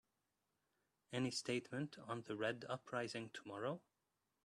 Any statement on the Red uprising tomorrow?